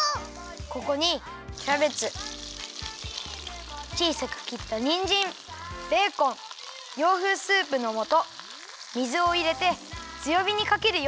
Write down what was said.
ここにキャベツちいさくきったにんじんベーコン洋風スープのもと水をいれてつよびにかけるよ！